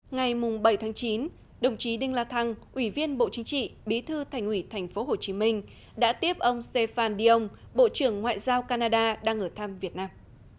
ngày bảy chín đồng chí đinh la thăng ủy viên bộ chính trị bí thư thành ủy tp hcm đã tiếp ông stefan diong bộ trưởng ngoại giao canada đang ở thăm việt nam